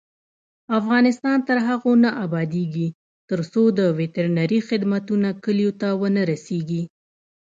افغانستان تر هغو نه ابادیږي، ترڅو د وترنري خدمتونه کلیو ته ونه رسیږي.